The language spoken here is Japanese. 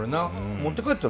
持って帰ったら？